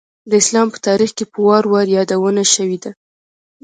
د اسلام په تاریخ کې په وار وار یادونه شوېده.